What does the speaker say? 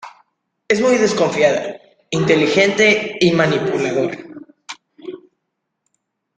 Es muy desconfiada, inteligente y manipuladora.